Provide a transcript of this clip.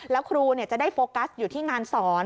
แล้วครูจะได้โฟกัสอยู่ที่งานสอน